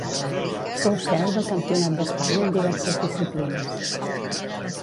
Fou seu del Campionat d'Espanya en diverses disciplines.